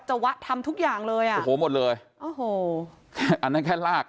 วะทำทุกอย่างเลยอ่ะโอ้โหหมดเลยโอ้โหอันนั้นแค่ลาก